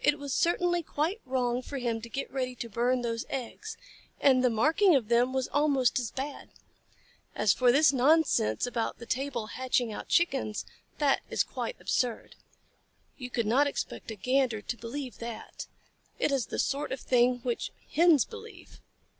It was certainly quite wrong for him to get ready to burn those eggs, and the marking of them was almost as bad. As for this nonsense about the table hatching out Chickens, that is quite absurd. You could not expect a Gander to believe that. It is the sort of thing which Hens believe."